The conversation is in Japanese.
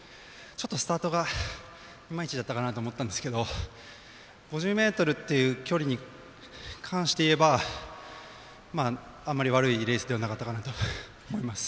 ちょっとスタートがいまいちだったかなと思ったんですけど５０ｍっていう距離に関して言えばあまり悪いレースではなかったかなと思います。